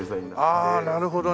ああなるほどね。